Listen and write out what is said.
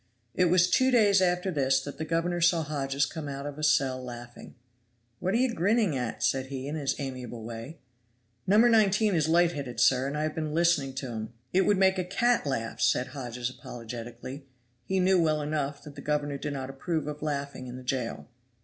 It was two days after this that the governor saw Hodges come out of a cell laughing. "What are ye grinning at?" said he, in his amiable way. "No. 19 is light headed, sir, and I have been listening to him. It would make a cat laugh," said Hodges apologetically. He knew well enough the governor did not approve of laughing in the jail.